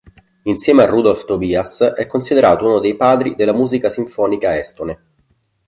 Insieme a Rudolf Tobias è considerato uno dei padri della musica sinfonica estone.